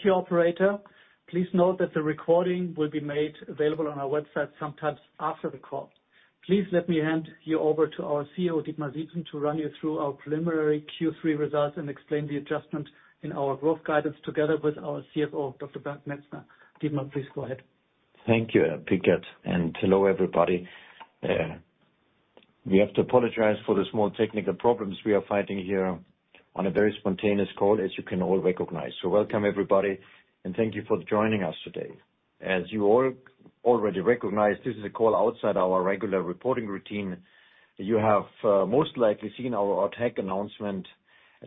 Thank you, operator. Please note that the recording will be made available on our website shortly after the call. Please let me hand you over to our CEO, Dietmar Siemssen, to run you through our preliminary Q3 results and explain the adjustment in our growth guidance together with our CFO, Dr. Bernd Metzner. Dietmar, please go ahead. Thank you, Pickert, and hello, everybody. We have to apologize for the small technical problems we are fighting here on a very spontaneous call, as you can all recognize. So welcome, everybody, and thank you for joining us today. As you all already recognize, this is a call outside our regular reporting routine. You have, most likely seen our ad-hoc announcement, an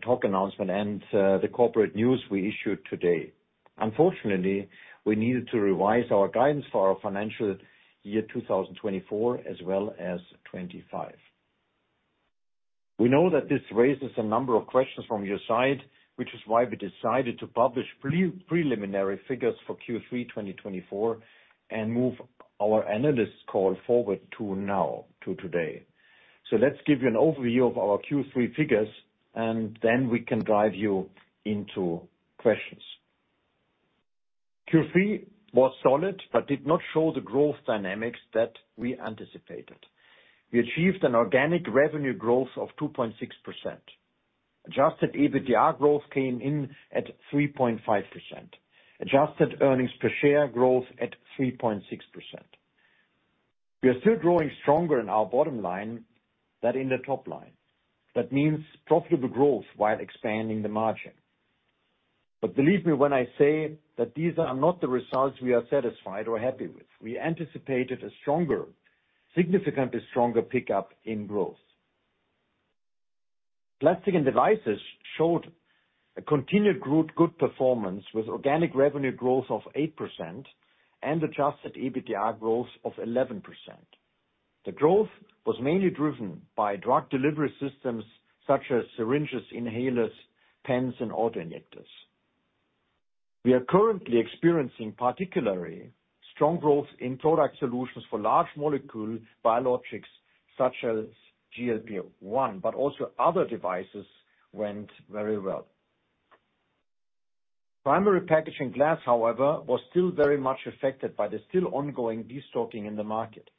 ad-hoc announcement, and, the corporate news we issued today. Unfortunately, we needed to revise our guidance for our financial year two thousand and twenty-four, as well as twenty-five. We know that this raises a number of questions from your side, which is why we decided to publish preliminary figures for Q3, 2024, and move our analyst call forward to now, to today. So let's give you an overview of our Q3 figures, and then we can guide you into questions. Q3 was solid, but did not show the growth dynamics that we anticipated. We achieved an organic revenue growth of 2.6%. Adjusted EBITDA growth came in at 3.5%. Adjusted earnings per share growth at 3.6%. We are still growing stronger in our bottom line than in the top line. That means profitable growth while expanding the margin. But believe me when I say that these are not the results we are satisfied or happy with. We anticipated a stronger, significantly stronger pickup in growth. Plastics and Devices showed a continued good, good performance, with organic revenue growth of 8% and Adjusted EBITDA growth of 11%. The growth was mainly driven by drug delivery systems such as syringes, inhalers, pens, and auto-injectors. We are currently experiencing particularly strong growth in product solutions for large molecule biologics, such as GLP-1, but also other devices went very well. Primary packaging glass, however, was still very much affected by the still ongoing destocking in the market.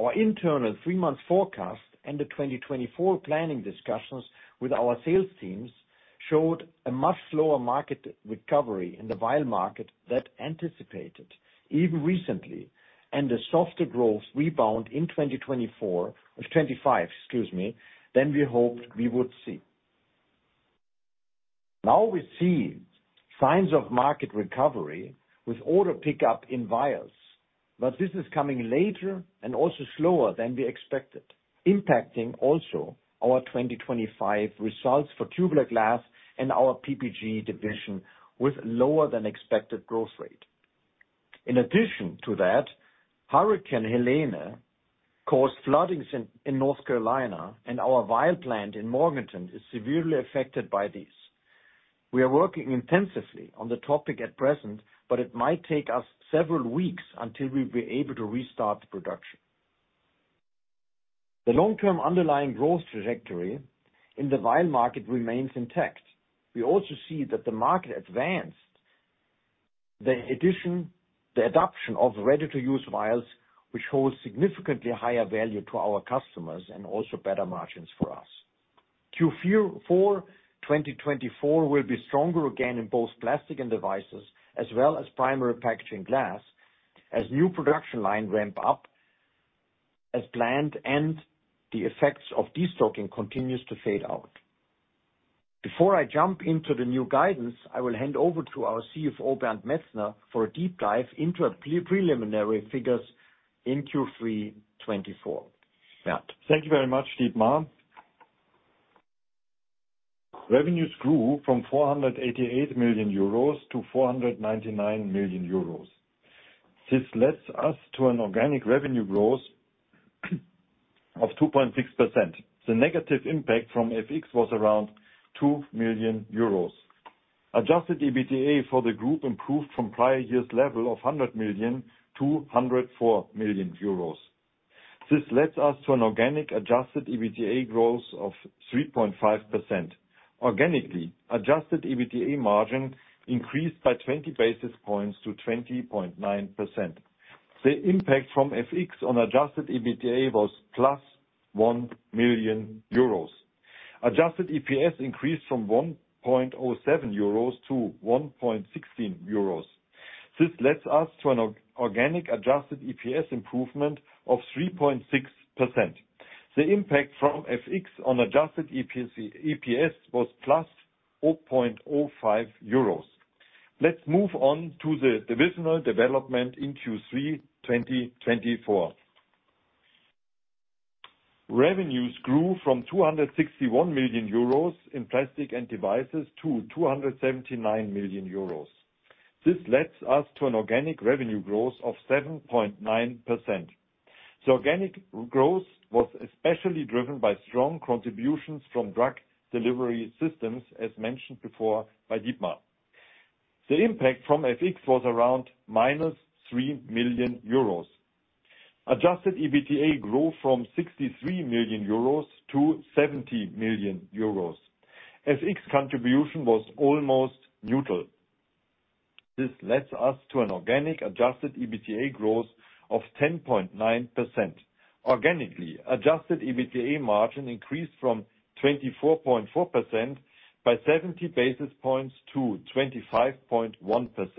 Our internal three-month forecast and the 2024 planning discussions with our sales teams showed a much slower market recovery in the vial market than anticipated, even recently, and a softer growth rebound in 2024, or 2025, excuse me, than we hoped we would see. Now we see signs of market recovery with order pickup in vials, but this is coming later and also slower than we expected, impacting also our twenty twenty-five results for tubular glass and our PPG division, with lower than expected growth rate. In addition to that, Hurricane Helene caused floodings in North Carolina, and our vial plant in Morganton is severely affected by this. We are working intensively on the topic at present, but it might take us several weeks until we'll be able to restart the production. The long-term underlying growth trajectory in the vial market remains intact. We also see that the market advanced the adoption of ready-to-use vials, which holds significantly higher value to our customers and also better margins for us. Q4 2024 will be stronger again in both plastic and devices, as well as primary packaging glass, as new production line ramp up as planned and the effects of destocking continues to fade out. Before I jump into the new guidance, I will hand over to our CFO, Bernd Metzner, for a deep dive into our preliminary figures in Q3 2024. Bernd? Thank you very much, Dietmar. Revenues grew from 488 million euros to 499 million euros. This leads us to an organic revenue growth of 2.6%. The negative impact from FX was around 2 million euros. Adjusted EBITDA for the group improved from prior year's level of 100 million to 104 million euros. This leads us to an organic adjusted EBITDA growth of 3.5%. Organically, adjusted EBITDA margin increased by 20 basis points to 20.9%. The impact from FX on adjusted EBITDA was plus 1 million euros. Adjusted EPS increased from 1.07 euros to 1.16 euros. This leads us to an organic adjusted EPS improvement of 3.6%. The impact from FX on adjusted EPS was plus 0.05 euros. Let's move on to the divisional development in Q3 2024. Revenues grew from 261 million euros in plastic and devices to 279 million euros. This leads us to an organic revenue growth of 7.9%. The organic growth was especially driven by strong contributions from drug delivery systems, as mentioned before by Dietmar. The impact from FX was around minus 3 million euros. Adjusted EBITDA grew from 63 million euros to 70 million euros. FX contribution was almost neutral. This leads us to an organic Adjusted EBITDA growth of 10.9%. Organically, Adjusted EBITDA margin increased from 24.4% by 70 basis points to 25.1%.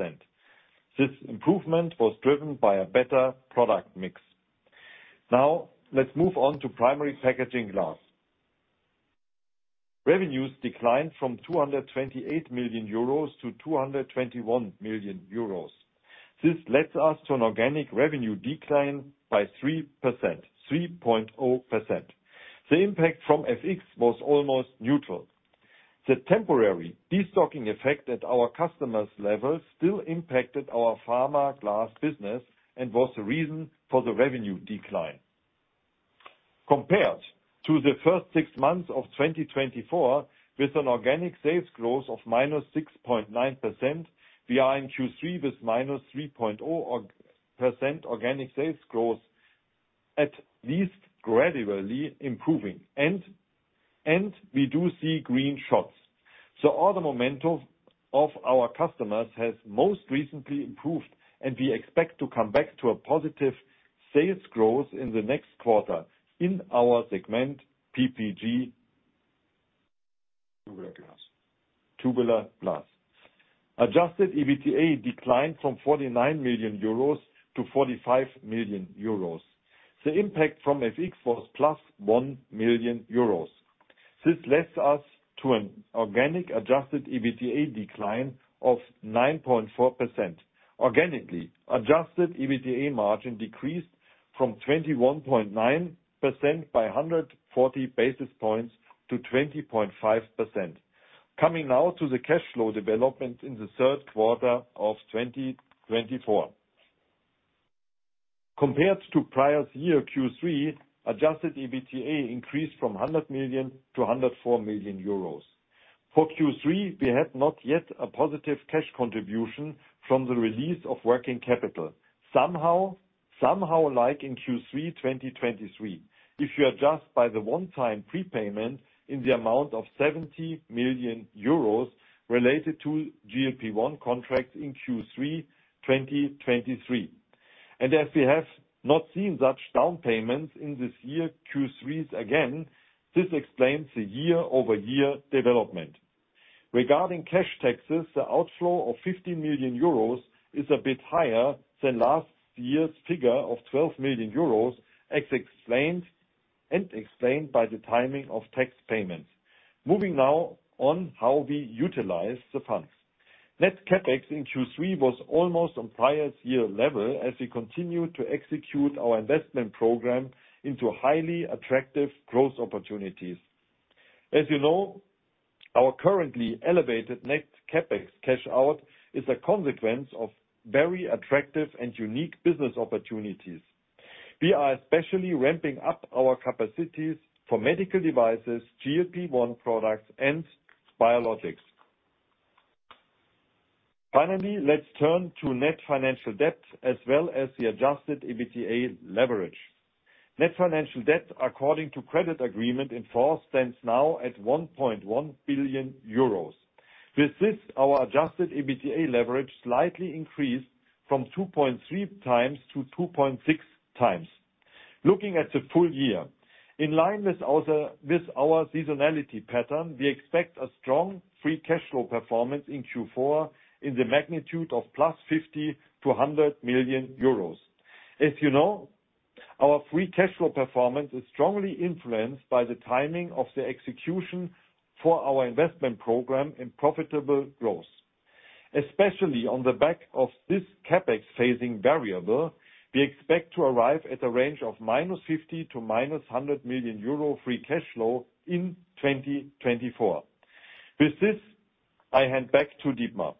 This improvement was driven by a better product mix. Now, let's move on to primary packaging glass. Revenues declined from 228 million euros to 221 million euros. This leads us to an organic revenue decline by 3%, 3.0%. The impact from FX was almost neutral. The temporary destocking effect at our customer's level still impacted our pharma glass business and was the reason for the revenue decline. Compared to the first six months of 2024, with an organic sales growth of -6.9%, we are in Q3 with -3.0% organic sales growth, at least gradually improving, and we do see green shoots. So all the momentum of our customers has most recently improved, and we expect to come back to a positive sales growth in the next quarter in our segment, PPG Tubular Glass. Adjusted EBITDA declined from 49 million euros to 45 million euros. The impact from FX was plus 1 million euros. This leads us to an organic Adjusted EBITDA decline of 9.4%. Organically, Adjusted EBITDA margin decreased from 21.9% by a hundred and forty basis points to 20.5%. Coming now to the cash flow development in the third quarter of 2024. Compared to prior year's Q3, Adjusted EBITDA increased from 100 million to 104 million euros. For Q3, we had not yet a positive cash contribution from the release of working capital. Somehow, like in Q3 2023, if you adjust by the one-time prepayment in the amount of 70 million euros related to GLP-1 contract in Q3 2023. And as we have not seen such down payments in this year, Q3 again, this explains the year-over-year development. Regarding cash taxes, the outflow of 50 million euros is a bit higher than last year's figure of 12 million euros, as explained by the timing of tax payments. Moving now on how we utilize the funds. Net CapEx in Q3 was almost on prior's year level as we continued to execute our investment program into highly attractive growth opportunities. As you know, our currently elevated net CapEx cash out is a consequence of very attractive and unique business opportunities. We are especially ramping up our capacities for medical devices, GLP-1 products, and biologics. Finally, let's turn to net financial debt as well as the adjusted EBITDA leverage. Net financial debt, according to credit agreement in force, stands now at 1.1 billion euros. With this, our adjusted EBITDA leverage slightly increased from 2.3 times to 2.6 times. Looking at the full year, in line with also, with our seasonality pattern, we expect a strong free cash flow performance in Q4 in the magnitude of plus 50 million to 100 million euros. As you know, our free cash flow performance is strongly influenced by the timing of the execution for our investment program in profitable growth. Especially on the back of this CapEx phasing variable, we expect to arrive at a range of minus 50 million to minus 100 million euro free cash flow in 2024. With this, I hand back to Dietmar.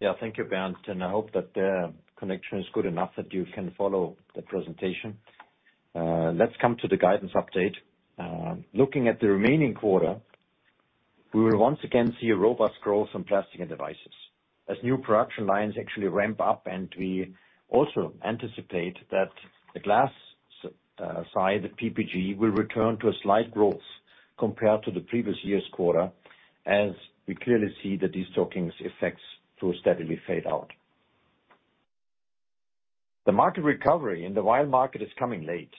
Yeah, thank you, Bernd, and I hope that the connection is good enough that you can follow the presentation. Let's come to the guidance update. Looking at the remaining quarter, we will once again see a robust growth from Plastics & Devices. As new production lines actually ramp up, and we also anticipate that the glass side, the PPG, will return to a slight growth compared to the previous year's quarter, as we clearly see the destocking effects to steadily fade out. The market recovery in the wine market is coming late,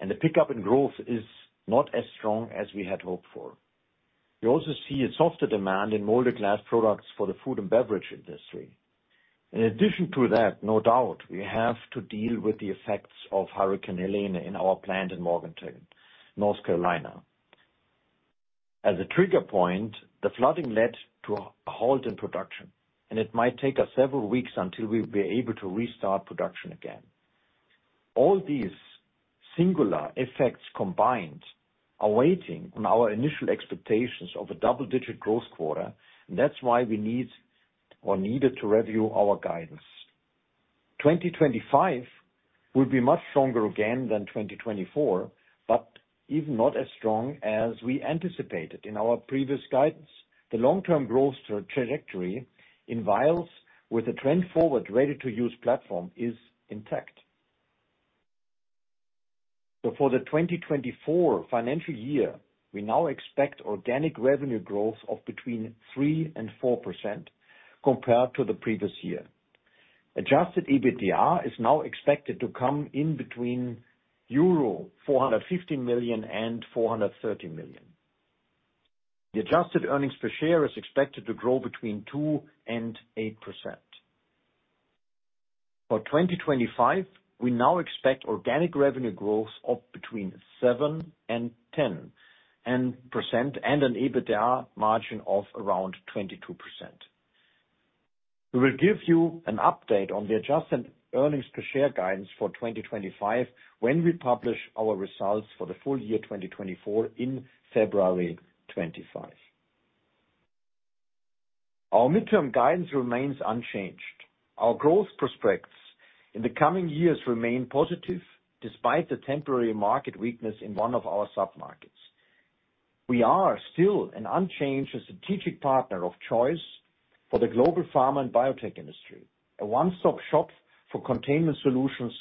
and the pickup in growth is not as strong as we had hoped for. We also see a softer demand in molded glass products for the food and beverage industry. In addition to that, no doubt, we have to deal with the effects of Hurricane Helene in our plant in Morganton, North Carolina. As a trigger point, the flooding led to a halt in production, and it might take us several weeks until we'll be able to restart production again. All these singular effects combined are waiting on our initial expectations of a double-digit growth quarter, and that's why we need or needed to review our guidance. 2025 will be much stronger again than 2024, but even not as strong as we anticipated in our previous guidance. The long-term growth trajectory in vials with the trend forward ready-to-use platform is intact. So for the 2024 financial year, we now expect organic revenue growth of between 3% and 4% compared to the previous year. Adjusted EBITDA is now expected to come in between euro 450 million and 430 million. The adjusted earnings per share is expected to grow between 2% and 8%. For 2025, we now expect organic revenue growth of between 7% and 10% and an EBITDA margin of around 22%. We will give you an update on the adjusted earnings per share guidance for 2025 when we publish our results for the full year 2024, in February 2025. Our midterm guidance remains unchanged. Our growth prospects in the coming years remain positive, despite the temporary market weakness in one of our submarkets. We are still an unchanged strategic partner of choice for the global pharma and biotech industry, a one-stop shop for containment solutions,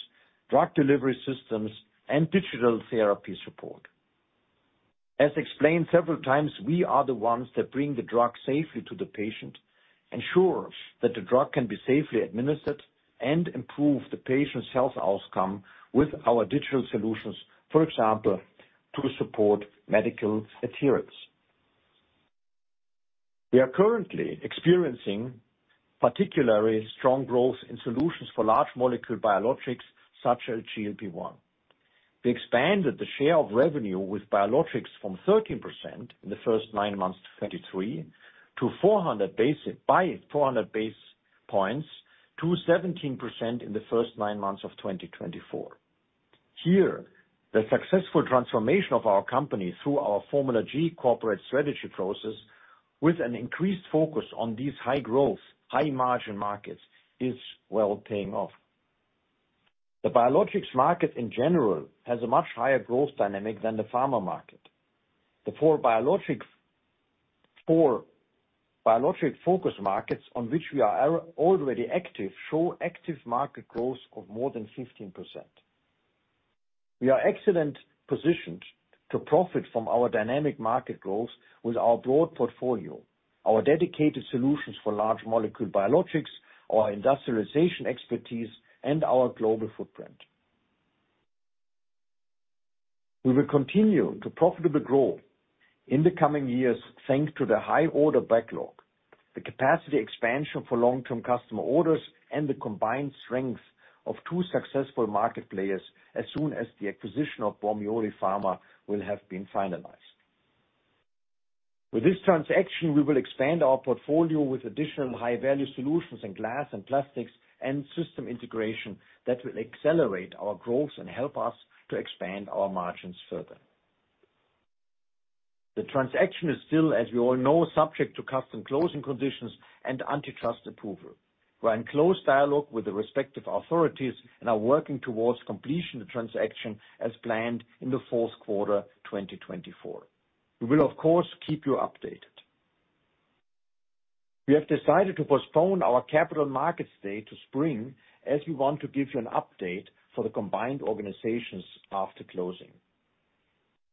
drug delivery systems, and digital therapy support. As explained several times, we are the ones that bring the drug safely to the patient, ensure that the drug can be safely administered, and improve the patient's health outcome with our digital solutions, for example, to support medical adherence. We are currently experiencing particularly strong growth in solutions for large molecule biologics, such as GLP-1. We expanded the share of revenue with biologics from 13% in the first nine months of 2023 by 400 basis points to 17% in the first nine months of 2024. Here, the successful transformation of our company through our Formula G corporate strategy process, with an increased focus on these high growth, high margin markets, is well paying off. The biologics market in general has a much higher growth dynamic than the pharma market. The core biologics focus markets, on which we are already active, show market growth of more than 15%. We are excellently positioned to profit from our dynamic market growth with our broad portfolio, our dedicated solutions for large molecule biologics, our industrialization expertise, and our global footprint. We will continue to profitably grow in the coming years, thanks to the high order backlog, the capacity expansion for long-term customer orders, and the combined strength of two successful market players as soon as the acquisition of Bormioli Pharma will have been finalized. With this transaction, we will expand our portfolio with additional high-value solutions in glass and plastics and system integration that will accelerate our growth and help us to expand our margins further. The transaction is still, as we all know, subject to customary closing conditions and antitrust approval. We're in close dialogue with the respective authorities and are working towards completion of the transaction as planned in the fourth quarter, twenty twenty-four. We will, of course, keep you updated. We have decided to postpone our Capital Markets Day to spring, as we want to give you an update for the combined organizations after closing.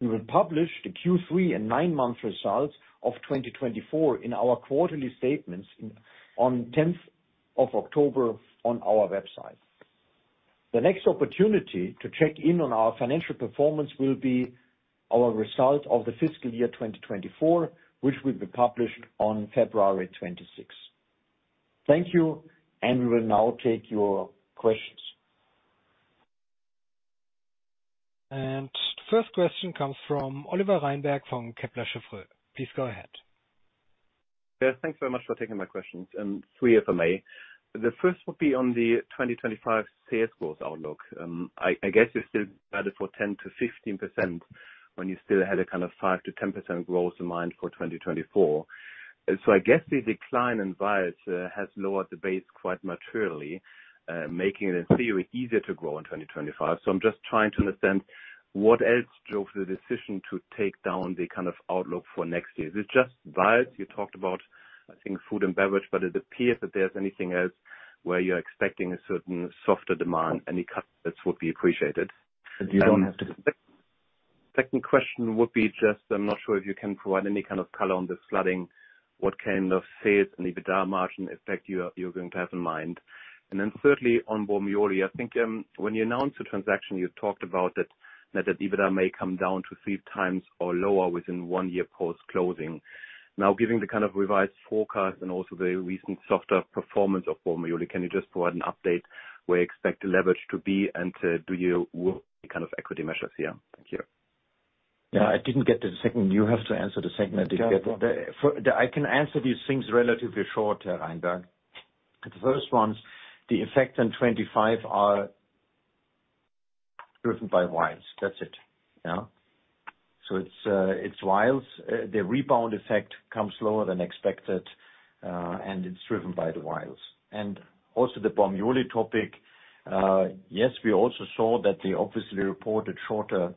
We will publish the Q3 and nine-month results of 2024 in our quarterly statements on the tenth of October on our website. The next opportunity to check in on our financial performance will be our results of the fiscal year 2024, which will be published on February twenty-six. Thank you, and we will now take your questions. First question comes from Oliver Reinberg, from Kepler Cheuvreux. Please go ahead. Yeah, thanks very much for taking my questions, and three if I may. The first would be on the twenty twenty-five sales growth outlook. I guess you're still guided for 10%-15% when you still had a kind of 5%-10% growth in mind for twenty twenty-four. So I guess the decline in vials has lowered the base quite materially, making it in theory, easier to grow in twenty twenty-five. So I'm just trying to understand what else drove the decision to take down the kind of outlook for next year. Is it just vials? You talked about, I think, food and beverage, but it appears that there's anything else where you're expecting a certain softer demand. Any comments would be appreciated. You don't have to- Second question would be just, I'm not sure if you can provide any kind of color on the flooding, what kind of sales and EBITDA margin effect you're going to have in mind. And then thirdly, on Bormioli, I think, when you announced the transaction, you talked about that the EBITDA may come down to three times or lower within one year post-closing. Now, given the kind of revised forecast and also the recent softer performance of Bormioli, can you just provide an update where you expect the leverage to be, and do you work any kind of equity measures here? Thank you. Yeah, I didn't get the second. You have to answer the second. I didn't get the- For the... I can answer these things relatively short, Reinberg. The first one, the effect on 2025 are driven by vials. That's it. Yeah? So it's, it's vials. The rebound effect comes slower than expected, and it's driven by the vials. And also the Bormioli topic, yes, we also saw that they obviously reported shorter,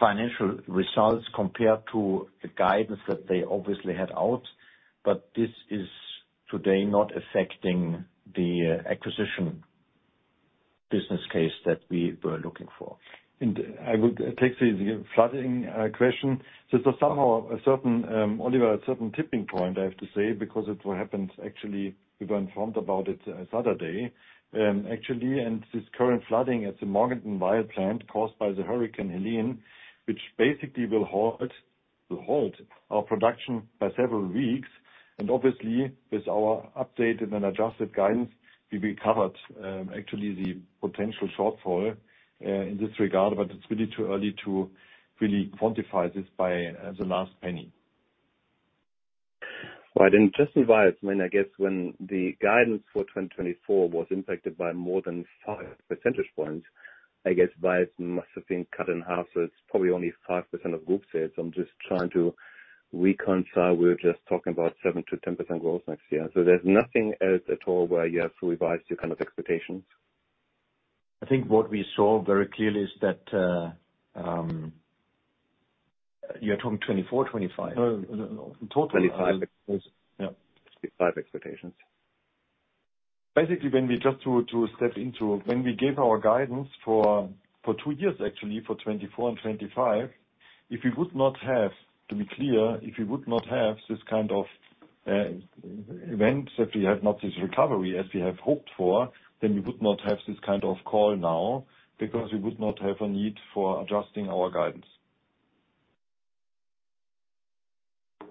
financial results compared to the guidance that they obviously had out, but this is to date not affecting the, acquisition business case that we were looking for. I would take the flooding question. This is somehow only a certain tipping point, I have to say, because it's what happened. Actually, we were informed about it Saturday. Actually, and this current flooding at the Morganton vial plant caused by the Hurricane Helene, which basically will halt our production by several weeks, and obviously, with our updated and adjusted guidance, we recovered actually the potential shortfall in this regard, but it's really too early to really quantify this by the last penny. Right. And just in vials, when I guess the guidance for 2024 was impacted by more than five percentage points, I guess vials must have been cut in half, so it's probably only 5% of group sales. I'm just trying to reconcile. We're just talking about 7%-10% growth next year. So there's nothing else at all where you have to revise your kind of expectations? I think what we saw very clearly is that, you're talking twenty-four, twenty-five? No, no, no. Total. Twenty-five. Yeah. Five expectations. Basically, when we just to step into, when we gave our guidance for two years, actually for 2024 and 2025, if we would not have, to be clear, if we would not have this kind of events, if we had not this recovery as we have hoped for, then we would not have this kind of call now, because we would not have a need for adjusting our guidance.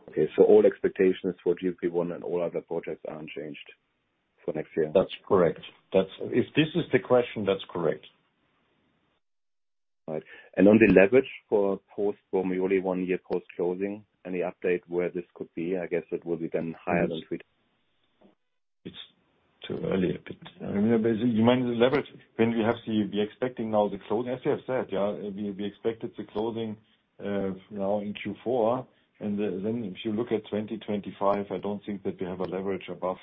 Okay, so all expectations for GLP-1 and all other projects are unchanged for next year? That's correct. That's if this is the question, that's correct. Right. And on the leverage forecast from only one year post-closing, any update on where this could be? I guess it will then be higher than three. It's too early a bit. I mean, you mentioned the leverage with the expected closing now. As I have said, we expected the closing now in Q4. Then if you look at 2025, I don't think that we have a leverage above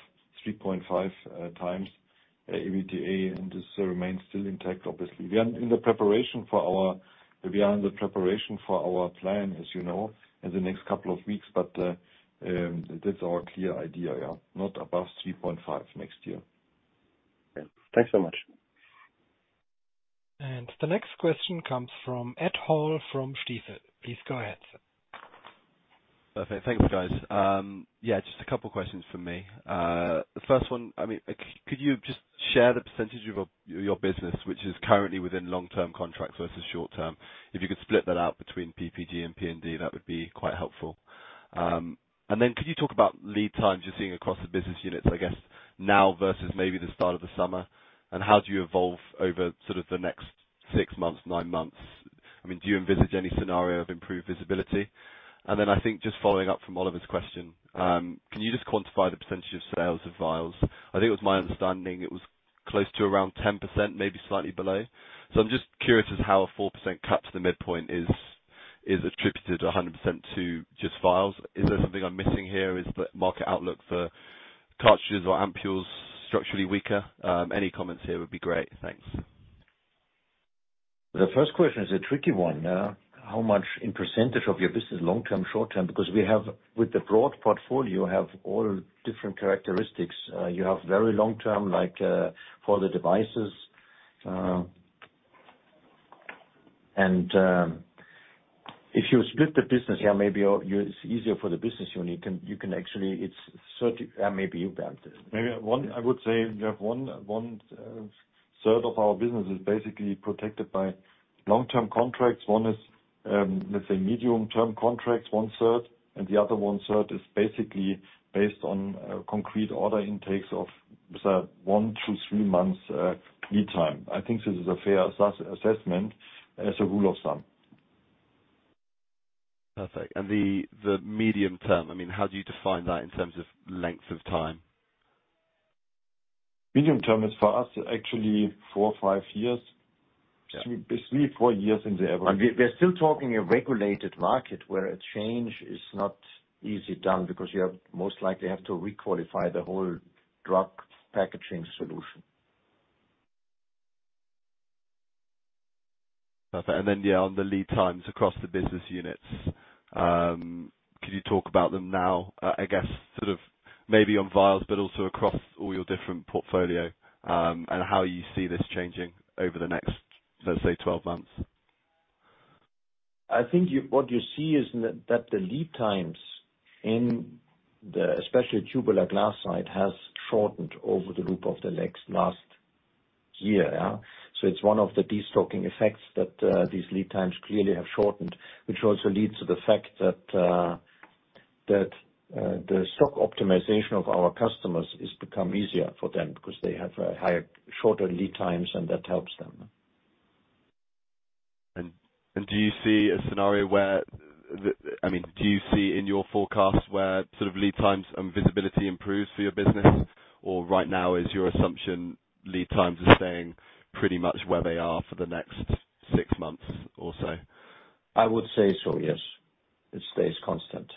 3.5 times EBITDA, and this remains still intact. Obviously, we are in the preparation for our plan, as you know, in the next couple of weeks, but that's our clear idea. Not above 3.5 next year. Thanks so much. The next question comes from Ed Hall, from Stifel. Please go ahead, sir. Perfect. Thank you, guys. Yeah, just a couple of questions from me. The first one, I mean, could you just share the percentage of your business, which is currently within long-term contracts versus short-term? If you could split that out between PPG and P&D, that would be quite helpful. And then could you talk about lead times you're seeing across the business units, I guess, now versus maybe the start of the summer, and how do you evolve over sort of the next six months, nine months? I mean, do you envisage any scenario of improved visibility? And then I think just following up from Oliver's question, can you just quantify the percentage of sales of vials? I think it was my understanding it was close to around 10%, maybe slightly below. So I'm just curious as how a 4% cut to the midpoint is attributed 100% to just vials. Is there something I'm missing here? Is the market outlook for cartridges or ampoules structurally weaker? Any comments here would be great. Thanks. The first question is a tricky one. How much in percentage of your business, long-term, short-term? Because we have, with the broad portfolio, all different characteristics. You have very long-term, like, for the devices, and if you split the business, yeah, maybe it's easier for the business unit. You can actually, it's thirty... Maybe you've done this. Maybe one, I would say we have one third of our business is basically protected by long-term contracts. One is, let's say, medium-term contracts, one third, and the other one third is basically based on concrete order intakes of one to three months lead time. I think this is a fair assessment as a rule of thumb. Perfect. And the medium-term, I mean, how do you define that in terms of length of time? Medium-term is, for us, actually four, five years. Yeah. Three, four years in the average. We're still talking about a regulated market, where a change is not easily done because you most likely have to re-qualify the whole drug packaging solution. Perfect. And then, yeah, on the lead times across the business units, could you talk about them now, I guess sort of maybe on vials, but also across all your different portfolio, and how you see this changing over the next, let's say, twelve months? I think you, what you see is that the lead times in the especially tubular glass side has shortened over the course of the last year, yeah. So it's one of the destocking effects that these lead times clearly have shortened, which also leads to the fact that the stock optimization of our customers is become easier for them because they have a higher, shorter lead times, and that helps them. Do you see a scenario? I mean, do you see in your forecast where sort of lead times and visibility improves for your business? Or right now is your assumption lead times are staying pretty much where they are for the next six months or so? I would say so, yes. It stays constant.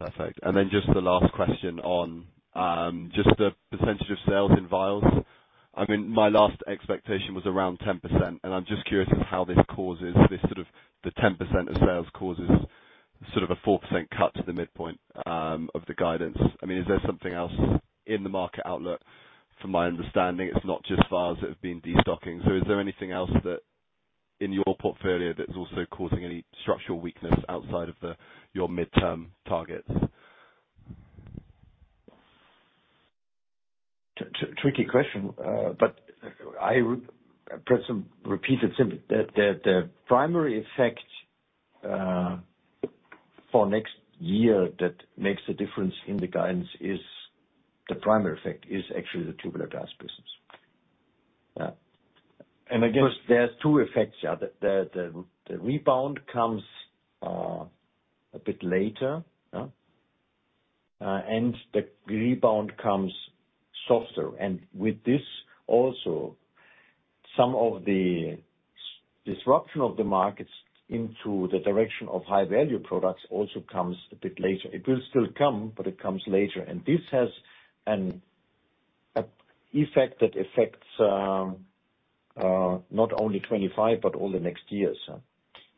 Perfect. And then just the last question on just the percentage of sales in vials. I mean, my last expectation was around 10%, and I'm just curious how this causes, the 10% of sales causes sort of a 4% cut to the midpoint of the guidance. I mean, is there something else in the market outlook? From my understanding, it's not just vials that have been destocking. So is there anything else that, in your portfolio, that is also causing any structural weakness outside of the, your midterm targets? Tricky question, but I repeatedly emphasize that the primary effect for next year that makes a difference in the guidance is actually the tubular glass business. Yeah. And again, there are two effects. Yeah, the rebound comes a bit later, and the rebound comes softer. And with this, also, some of the disruption of the markets into the direction of high-value products also comes a bit later. It will still come, but it comes later, and this has an effect that affects not only twenty-five, but all the next years.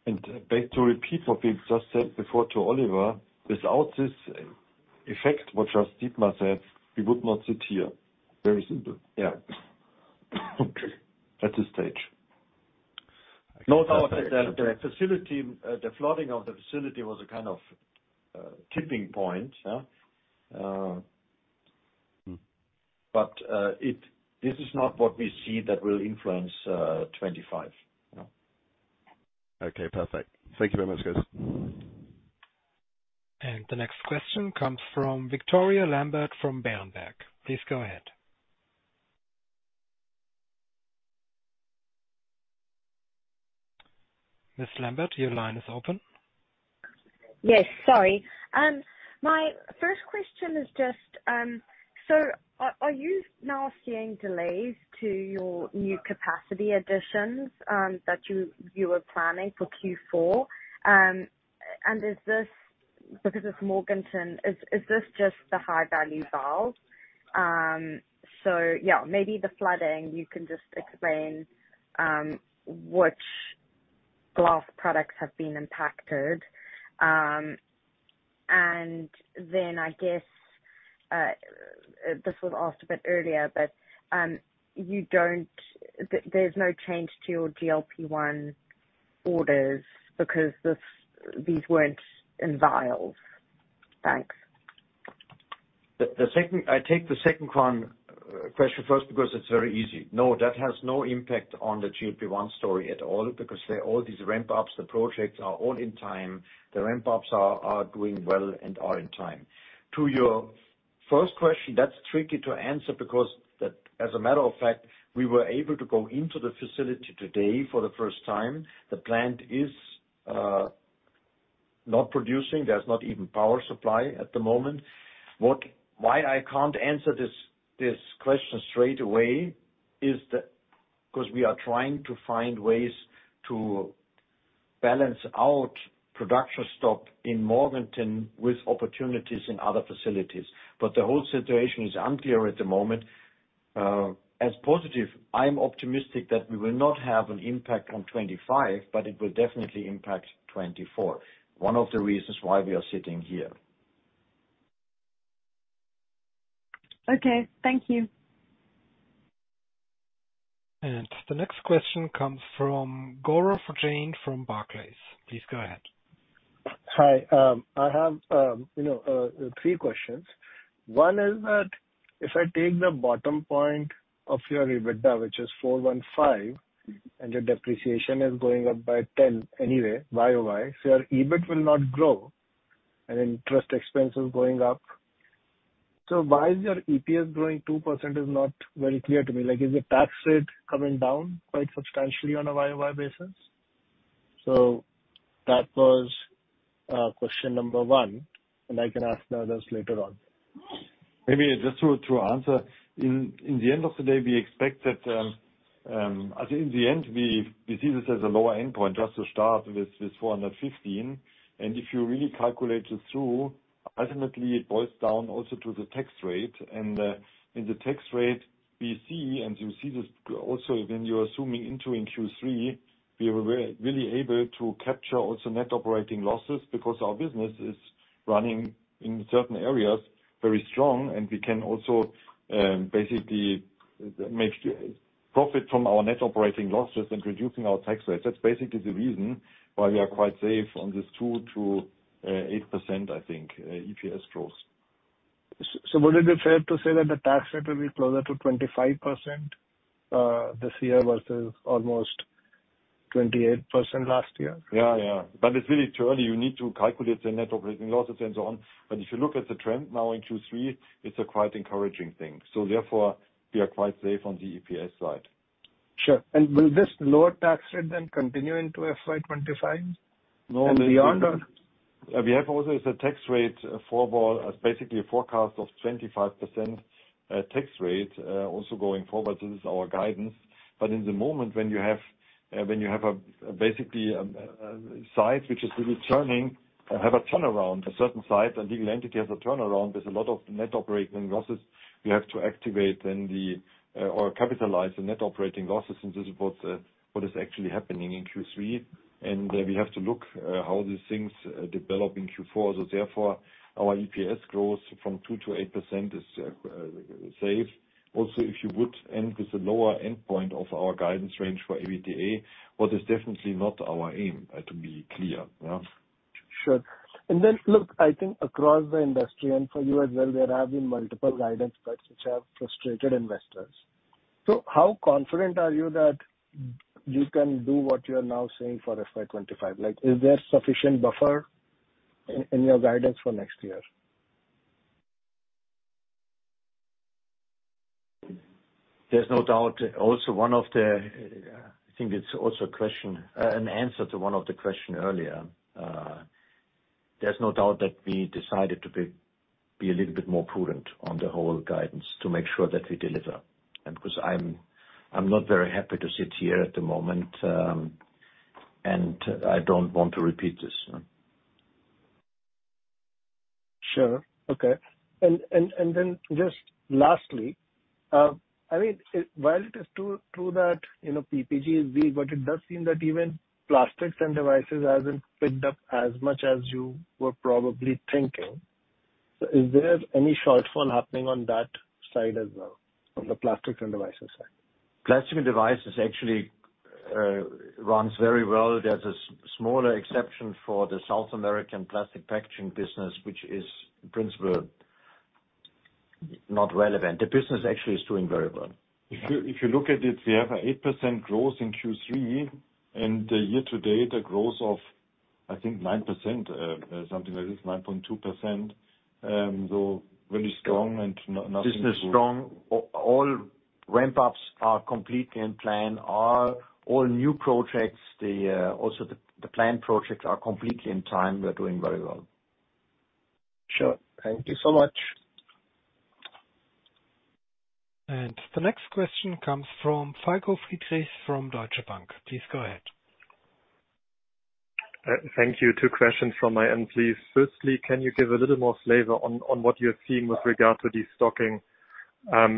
Back to repeat what we've just said before to Oliver, without this effect, which as Dietmar said, we would not sit here. Very simple. Yeah. At this stage. Note also that the facility, the flooding of the facility was a kind of. Mm. But, this is not what we see that will influence, twenty-five, you know? Okay, perfect. Thank you very much, guys. The next question comes from Victoria Lambert from Berenberg. Please go ahead. Ms. Lambert, your line is open. Yes, sorry. My first question is just, so are you now seeing delays to your new capacity additions that you were planning for Q4? And is this because it's Morganton, is this just the high-value vial? So yeah, maybe the flooding, you can just explain which glass products have been impacted. And then, I guess, this was asked a bit earlier, but you don't... There's no change to your GLP-1 orders because this, these weren't in vials. Thanks. The second one, I take the second one, question first, because it's very easy. No, that has no impact on the GLP-1 story at all, because all these ramp-ups, the projects are all in time. The ramp-ups are doing well and are in time. To your first question, that's tricky to answer because, as a matter of fact, we were able to go into the facility today for the first time. The plant is not producing. There's not even power supply at the moment. Why I can't answer this question straight away is that, 'cause we are trying to find ways to balance out production stop in Morganton with opportunities in other facilities. But the whole situation is unclear at the moment. As positive, I'm optimistic that we will not have an impact on 2025, but it will definitely impact 2024. One of the reasons why we are sitting here. Okay, thank you. And the next question comes from Gaurav Jain from Barclays. Please go ahead. Hi. I have, you know, three questions. One is that if I take the bottom point of your EBITDA, which is 415, and your depreciation is going up by 10 anyway, YOY, so your EBIT will not grow, and interest expense is going up. So why is your EPS growing 2% is not very clear to me. Like, is the tax rate coming down quite substantially on a YOY basis? So that was question number one, and I can ask the others later on. Maybe just to answer. In the end of the day, we expect that, I think in the end, we see this as a lower endpoint, just to start with, with four hundred and fifteen. And if you really calculate this through, ultimately it boils down also to the tax rate, and in the tax rate we see, and you see this also when you're assuming into Q3, we were really able to capture also net operating losses because our business is running in certain areas very strong, and we can also basically make profit from our net operating losses and reducing our tax rates. That's basically the reason why we are quite safe on this 2% to 8%, I think, EPS growth. So would it be fair to say that the tax rate will be closer to 25% this year versus almost 28% last year? Yeah, yeah, but it's really too early. You need to calculate the net operating losses and so on. But if you look at the trend now in Q3, it's a quite encouraging thing. So therefore, we are quite safe on the EPS side. Sure. And will this lower tax rate then continue into FY 2025? No, maybe- And beyond or?... We have also the tax rate forecast, basically a forecast of 25% tax rate also going forward, this is our guidance, but in the moment, when you have a basically size which is really turning, have a turnaround, a certain size and legal entity has a turnaround, there's a lot of net operating losses you have to activate, then the or capitalize the net operating losses, and this is what is actually happening in Q3, and we have to look how these things develop in Q4, so therefore, our EPS grows from 2% to 8% is safe. Also, if you would end with a lower endpoint of our guidance range for EBITDA, but it's definitely not our aim, to be clear, yeah? Sure. And then, look, I think across the industry, and for you as well, there have been multiple guidance, but which have frustrated investors. So how confident are you that you can do what you are now saying for FY 2025? Like, is there sufficient buffer in your guidance for next year? There's no doubt. Also, one of the, I think it's also a question, an answer to one of the question earlier. There's no doubt that we decided to be a little bit more prudent on the whole guidance to make sure that we deliver. And 'cause I'm not very happy to sit here at the moment, and I don't want to repeat this. Sure. Okay. And then just lastly, I mean, while it is true that, you know, PPG is weak, but it does seem that even plastics and devices hasn't picked up as much as you were probably thinking. So is there any shortfall happening on that side as well, on the plastics and devices side? Plastic and devices actually runs very well. There's a smaller exception for the South American plastic packaging business, which is principally not relevant. The business actually is doing very well. If you, if you look at it, we have 8% growth in Q3, and the year to date, a growth of, I think, 9%, something like this, 9.2%, so really strong and nothing- Business strong. All ramp-ups are completely in plan. All new projects, also the planned projects are completely in time. We're doing very well. Sure. Thank you so much. The next question comes from Falko Friedrichs from Deutsche Bank. Please go ahead. Thank you. Two questions from my end, please. Firstly, can you give a little more flavor on what you're seeing with regard to destocking?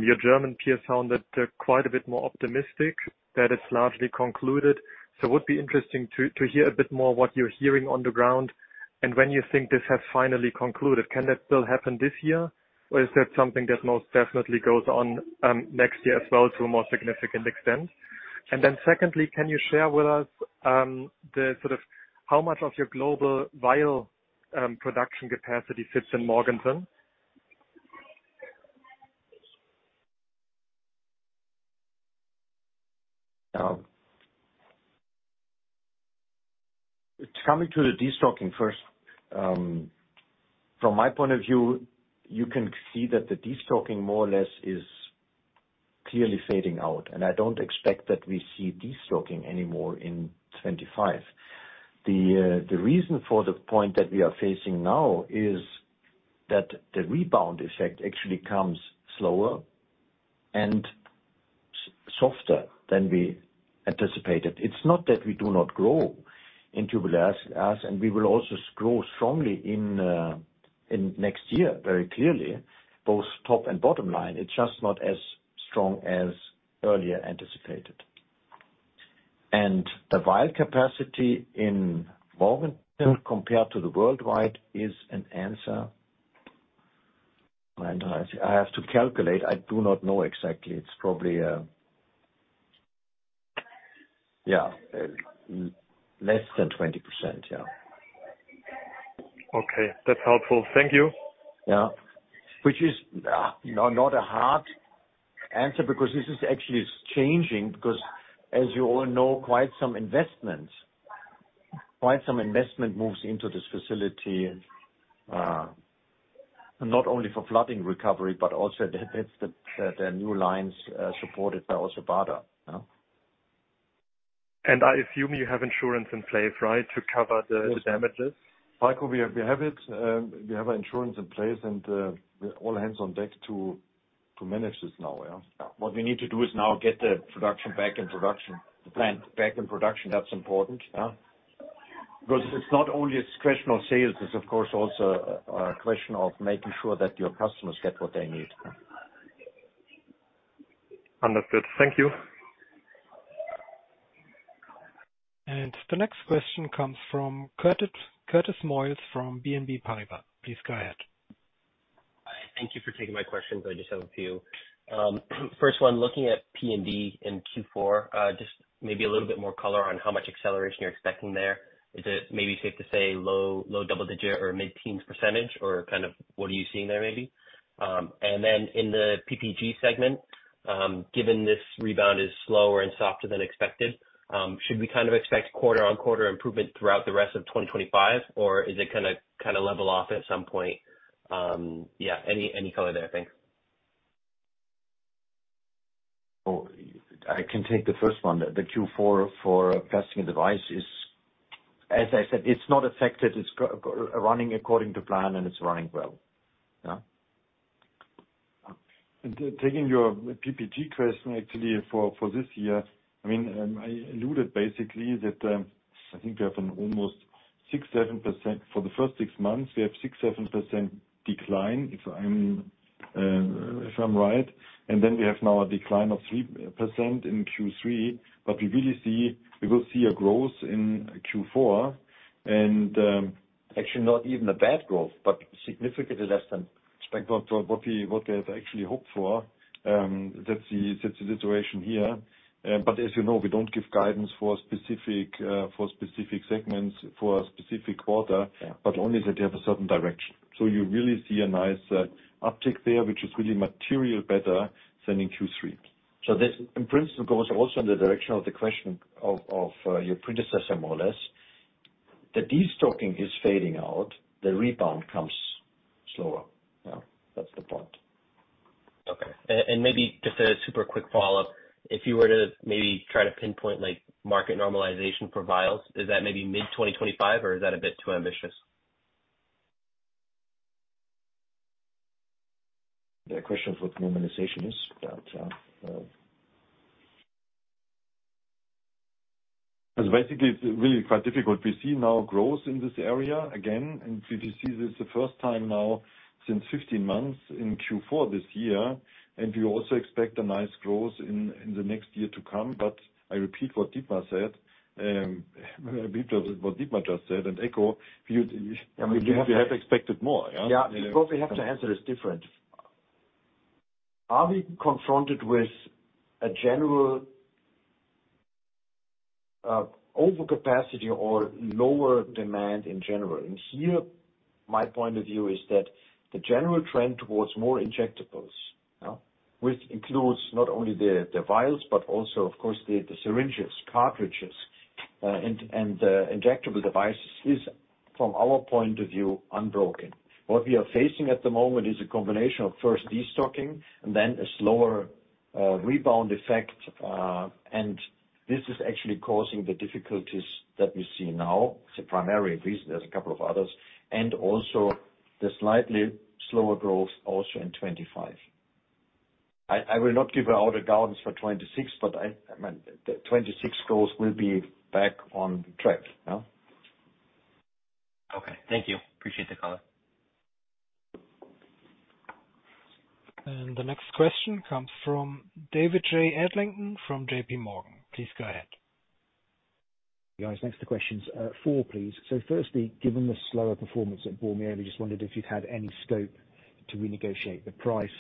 Your German peers sounded quite a bit more optimistic. That is largely concluded. So would be interesting to hear a bit more what you're hearing on the ground, and when you think this has finally concluded. Can that still happen this year, or is that something that most definitely goes on next year as well to a more significant extent? And then secondly, can you share with us the sort of how much of your global vial production capacity fits in Morganton? Coming to the destocking first, from my point of view, you can see that the destocking more or less is clearly fading out, and I don't expect that we see destocking anymore in 2025. The reason for the point that we are facing now is that the rebound effect actually comes slower and softer than we anticipated. It's not that we do not grow in Tubular Glass, and we will also grow strongly in next year, very clearly, both top and bottom line. It's just not as strong as earlier anticipated. The vial capacity in Morganton compared to the worldwide is an answer. I have to calculate. I do not know exactly. It's probably, yeah, less than 20%, yeah. Okay. That's helpful. Thank you. Yeah. Which is, no, not a hard answer, because this is actually changing, because as you all know, quite some investments, quite some investment moves into this facility, not only for flooding recovery, but also the, it's the, the new lines, supported by also BADA, yeah. I assume you have insurance in place, right, to cover the damages? Falko, we have it. We have an insurance in place, and we're all hands on deck to manage this now, yeah. What we need to do is now get the production back in production, the plant back in production. That's important, yeah? Because it's not only a question of sales, it's of course also a question of making sure that your customers get what they need. Understood. Thank you. The next question comes from Curtis Moyes from BNP Paribas. Please go ahead. Thank you for taking my questions. I just have a few. First one, looking at P&D in Q4, just maybe a little bit more color on how much acceleration you're expecting there. Is it maybe safe to say low double digit or mid-teens %, or kind of what are you seeing there, maybe? And then in the PPG segment, given this rebound is slower and softer than expected, should we kind of expect quarter-on-quarter improvement throughout the rest of twenty twenty-five, or is it gonna kind of level off at some point? Yeah, any color there? Thanks.... So I can take the first one. The Q4 for Plastics and Devices is, as I said, it's not affected. It's running according to plan, and it's running well. Yeah. Taking your PPG question actually for this year, I mean, I alluded basically that I think we have an almost 6-7%. For the first six months, we have 6-7% decline, if I'm right, and then we have now a decline of 3% in Q3. But we really see we will see a growth in Q4, and actually not even a bad growth, but significantly less than expected of what we had actually hoped for. That's the situation here. But as you know, we don't give guidance for specific segments, for a specific quarter. Yeah but only that we have a certain direction. So you really see a nice uptick there, which is really material better than in Q3. So this, in principle, goes also in the direction of the question of your predecessor, more or less. The destocking is fading out, the rebound comes slower. Yeah, that's the point. Okay. And maybe just a super quick follow-up. If you were to maybe try to pinpoint, like, market normalization for vials, is that maybe mid-2025, or is that a bit too ambitious? The question of what normalization is, but, So basically, it's really quite difficult. We see now growth in this area again, and we will see this the first time now since fifteen months in Q4 this year. And we also expect a nice growth in the next year to come. But I repeat what Dietmar said, repeat what Dietmar just said, and echo, you have expected more, yeah? Yeah, because we have to answer this different. Are we confronted with a general overcapacity or lower demand in general? And here, my point of view is that the general trend towards more injectables, yeah, which includes not only the vials, but also, of course, the syringes, cartridges, and injectable devices, is, from our point of view, unbroken. What we are facing at the moment is a combination of first destocking and then a slower rebound effect, and this is actually causing the difficulties that we see now. It's a primary reason, there's a couple of others, and also the slightly slower growth also in 2025. I will not give out a guidance for 2026, but I mean, the 2026 goals will be back on track, yeah? Okay. Thank you. Appreciate the call. And the next question comes from David Adlington from J.P. Morgan. Please go ahead. Guys, thanks for the questions. Four, please. So firstly, given the slower performance at Bormioli, we just wondered if you've had any scope to renegotiate the price.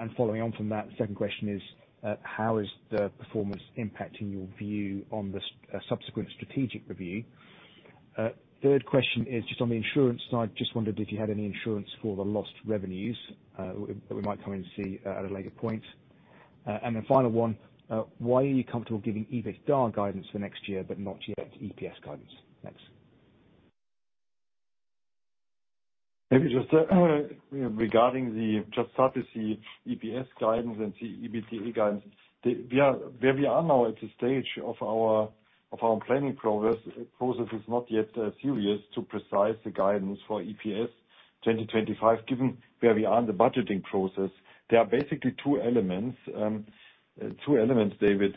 And following on from that, second question is, how is the performance impacting your view on the subsequent strategic review? Third question is just on the insurance side. Just wondered if you had any insurance for the lost revenues. We might come in to see at a later point. And the final one, why are you comfortable giving EBITDA guidance for next year, but not yet EPS guidance? Thanks. Maybe just, regarding the, just start with the EPS guidance and the EBITDA guidance. We are where we are now at the stage of our planning process is not yet serious to precise the guidance for EPS 2025, given where we are in the budgeting process. There are basically two elements, David.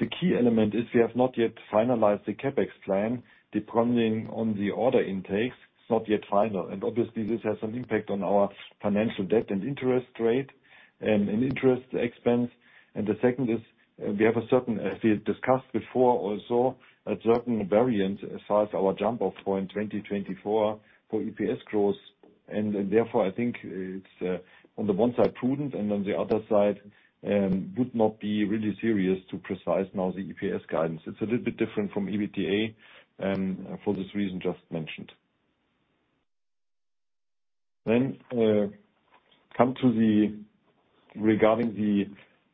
The key element is we have not yet finalized the CapEx plan, depending on the order intakes; it's not yet final. And obviously, this has an impact on our financial debt and interest rate, and interest expense. And the second is, we have a certain, as we have discussed before, also a certain variance as far as our jump-off point 2024 for EPS growth. Therefore, I think it's on the one side prudent, and on the other side would not be really serious to predict now the EPS guidance. It's a little bit different from EBITDA for this reason just mentioned. Then, coming to the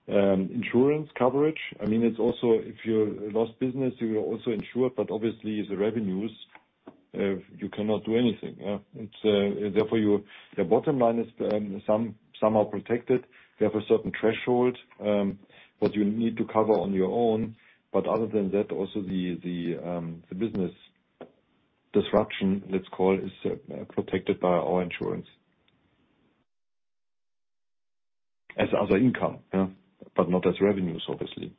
insurance coverage. I mean, it's also if you lost business, you are also insured, but obviously the revenues you cannot do anything, yeah? It's therefore the bottom line is somehow protected. You have a certain threshold that you need to cover on your own. But other than that, also the business disruption, let's call it, is protected by our insurance. As other income, yeah, but not as revenues, obviously.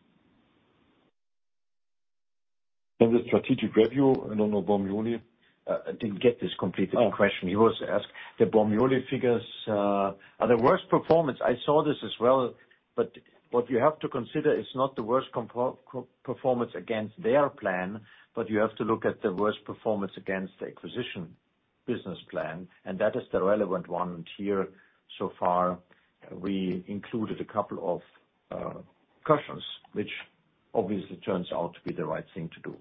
Then the strategic review, I don't know, Bormioli. I didn't get this completely, the question. Oh. He was asked, the Bormioli figures are the worst performance. I saw this as well, but what you have to consider is not the worst comparable performance against their plan, but you have to look at the performance against the acquisition business plan, and that is the relevant one. Here, so far, we included a couple of cushions, which obviously turns out to be the right thing to do.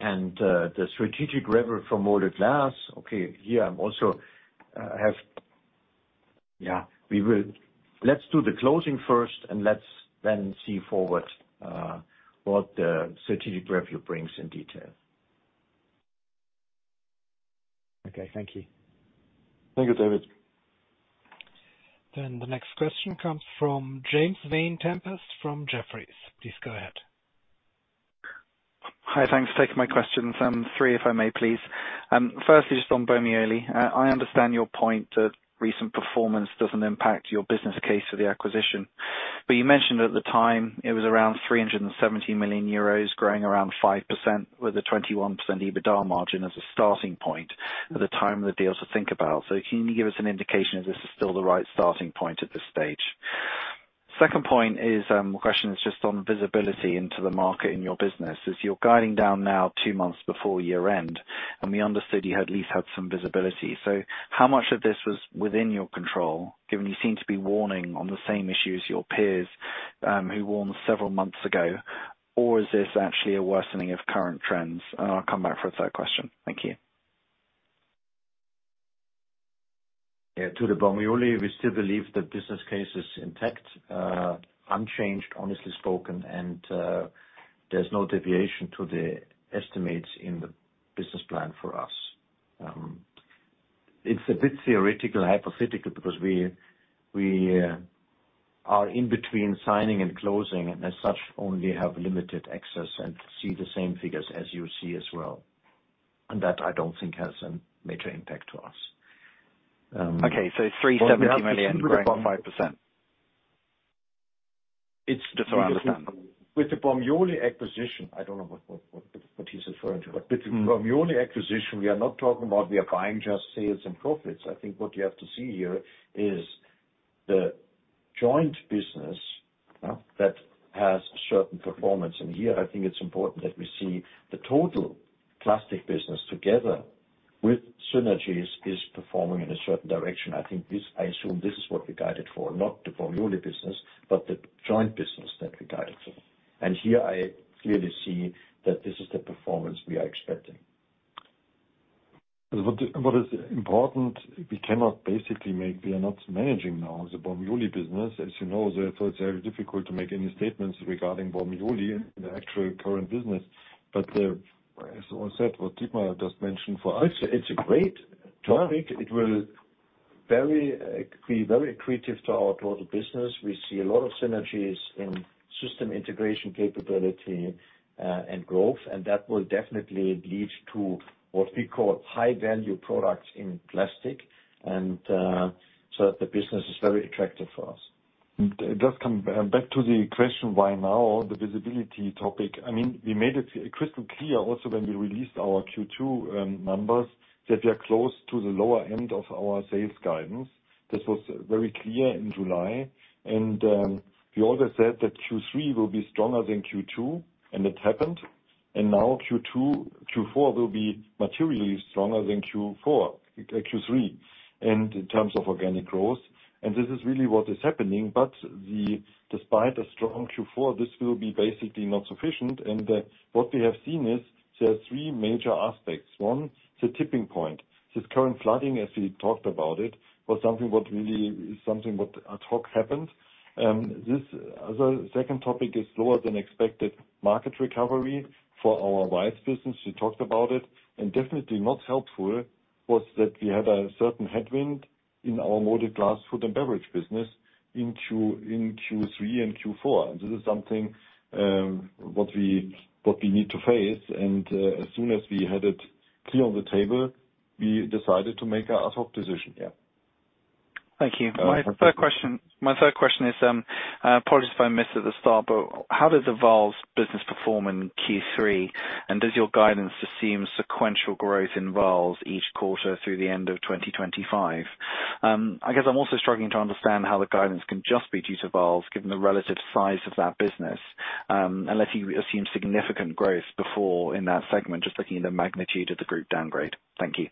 The strategic revenue from molded glass, okay, here I'm also have. Yeah, we will. Let's do the closing first, and let's then see forward what the strategic review brings in detail.... Okay, thank you. Thank you, David. Then the next question comes from James Vane-Tempest from Jefferies. Please go ahead. Hi, thanks for taking my questions. Three, if I may, please. Firstly, just on Bormioli. I understand your point that recent performance doesn't impact your business case for the acquisition. But you mentioned at the time it was around 370 million euros, growing around 5%, with a 21% EBITDA margin as a starting point at the time of the deal to think about. So can you give us an indication if this is still the right starting point at this stage? Second point is, the question is just on visibility into the market in your business. As you're guiding down now two months before year-end, and we understood you had at least had some visibility. So how much of this was within your control, given you seem to be warning on the same issues your peers, who warned several months ago? Or is this actually a worsening of current trends? And I'll come back for a third question. Thank you. Yeah, to the Bormioli, we still believe the business case is intact, unchanged, honestly spoken, and there's no deviation to the estimates in the business plan for us. It's a bit theoretical, hypothetical, because we are in between signing and closing, and as such, only have limited access and see the same figures as you see as well. And that I don't think has a major impact to us. Okay, so 370 million growing 5%. It's- I understand. With the Bormioli acquisition, I don't know what he's referring to, but with the Bormioli acquisition, we are not talking about buying just sales and profits. I think what you have to see here is the joint business that has certain performance, and here I think it's important that we see the total plastic business, together with synergies, is performing in a certain direction. I think this, I assume this is what we guided for, not the Bormioli business, but the joint business that we guided for, and here I clearly see that this is the performance we are expecting, but what is important, we cannot basically make. We are not managing now the Bormioli business. As you know, therefore, it's very difficult to make any statements regarding Bormioli and the actual current business. But, as I said, what Dietmar just mentioned, for us- It's a great topic. It will very be very accretive to our total business. We see a lot of synergies in system integration capability and growth, and that will definitely lead to what we call high-value products in plastic, and so the business is very attractive for us. Just come back to the question, why now, the visibility topic. I mean, we made it crystal clear also when we released our Q2 numbers, that we are close to the lower end of our sales guidance. This was very clear in July, and we also said that Q3 will be stronger than Q2, and it happened. And now Q4 will be materially stronger than Q3, and in terms of organic growth, and this is really what is happening. But despite a strong Q4, this will be basically not sufficient. And what we have seen is there are three major aspects. One, the tipping point. This current flooding, as we talked about it, was something what ad hoc happened. This second topic is lower than expected market recovery for our vials business. We talked about it, and definitely not helpful was that we had a certain headwind in our molded glass food and beverage business in Q3 and Q4. This is something what we need to face, and as soon as we had it clear on the table, we decided to make our ad hoc decision. Yeah. Thank you. Thank you. My third question is, apologies if I missed at the start, but how does the vials business perform in Q3? Does your guidance assume sequential growth in vials each quarter through the end of twenty twenty-five? I guess I'm also struggling to understand how the guidance can just be due to vials, given the relative size of that business, unless you assume significant growth there in that segment, just looking at the magnitude of the group downgrade. Thank you.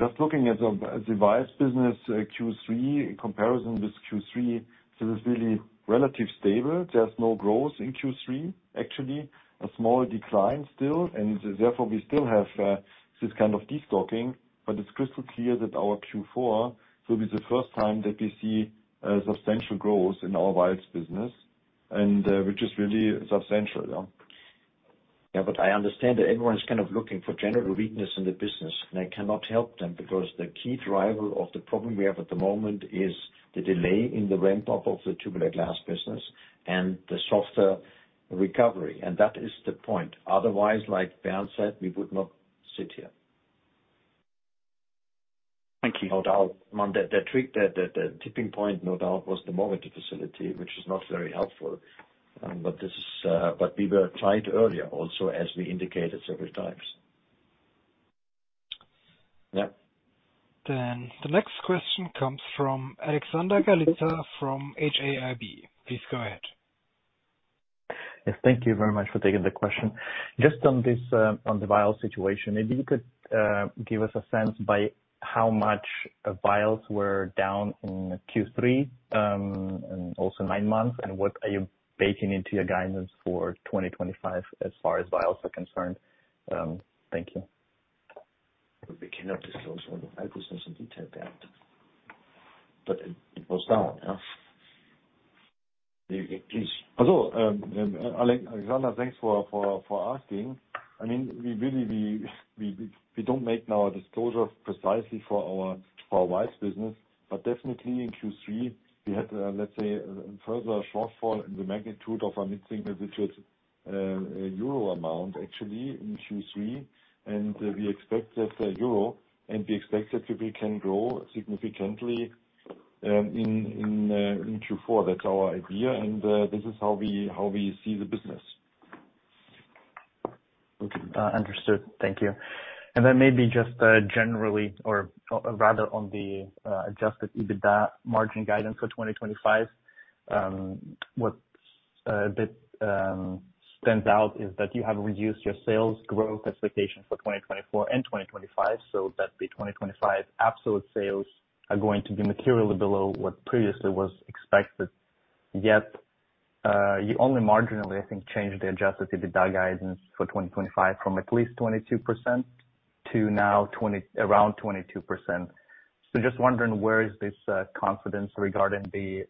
Just looking at the vials business, Q3 in comparison with Q3, so it's really relatively stable. There's no growth in Q3, actually. A small decline still, and therefore, we still have this kind of destocking, but it's crystal clear that our Q4 will be the first time that we see a substantial growth in our vials business, and which is really substantial, yeah. Yeah, but I understand that everyone's kind of looking for general weakness in the business, and I cannot help them, because the key driver of the problem we have at the moment is the delay in the ramp-up of the tubular glass business and the softer recovery, and that is the point. Otherwise, like Bernd said, we would not sit here. Thank you. No doubt. On the tipping point, no doubt, was the Morganton facility, which is not very helpful. But we tried earlier also, as we indicated several times. Yeah. Then the next question comes from Alexander Galitsa, from HAIB. Please go ahead. Yes, thank you very much for taking the question. Just on this, on the vial situation, maybe you could give us a sense by how much the vials were down in Q3, and also nine months, and what are you baking into your guidance for twenty twenty-five as far as vials are concerned? Thank you. We cannot disclose all the business in detail, but it was down, yeah?... So, Alexander, thanks for asking. I mean, we really don't make now a disclosure precisely for our vials business. But definitely in Q3, we had, let's say, further shortfall in the magnitude of our mid-single digits euro amount, actually, in Q3. And we expect that the euro, and we expect that we can grow significantly in Q4. That's our idea, and this is how we see the business. Understood. Thank you. And then maybe just generally, or rather, on the adjusted EBITDA margin guidance for 2025, what stands out is that you have reduced your sales growth expectation for 2024 and 2025, so that the 2025 absolute sales are going to be materially below what previously was expected. Yet, you only marginally, I think, changed the adjusted EBITDA guidance for 2025 from at least 22% to now around 22%. So just wondering, where is this confidence regarding the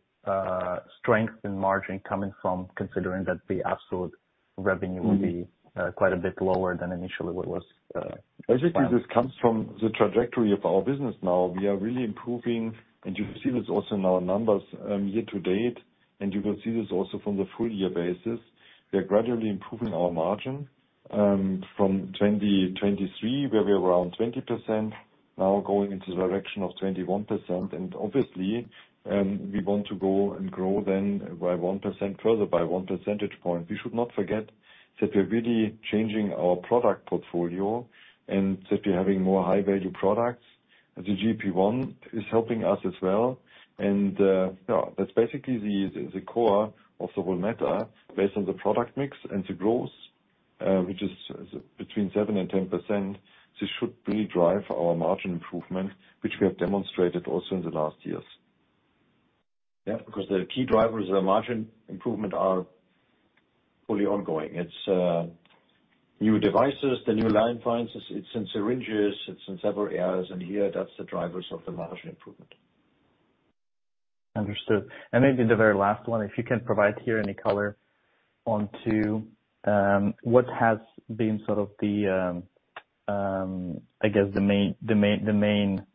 strength in margin coming from, considering that the absolute revenue- Mm-hmm... will be quite a bit lower than initially what was planned? Basically, this comes from the trajectory of our business now. We are really improving, and you can see this also in our numbers, year to date, and you can see this also from the full year basis. We are gradually improving our margin, from 2023, where we're around 20%, now going into the direction of 21%. And obviously, we want to go and grow then by 1% further, by one percentage point. We should not forget that we're really changing our product portfolio and that we're having more high-value products. The GLP-1 is helping us as well, and, yeah, that's basically the core of the whole matter. Based on the product mix and the growth, which is between 7% and 10%, this should really drive our margin improvement, which we have demonstrated also in the last years. Yeah, because the key drivers of the margin improvement are fully ongoing. It's new devices, the new line finds, it's in syringes, it's in several areas, and here, that's the drivers of the margin improvement. Understood. And maybe the very last one, if you can provide here any color onto what has been sort of the, I guess, the main.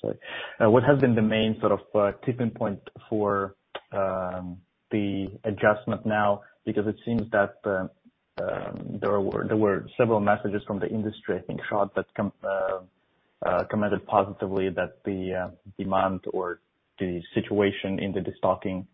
Sorry. What has been the main sort of tipping point for the adjustment now? Because it seems that there were several messages from the industry, I think, Schott, that commented positively that the demand or the situation in the destocking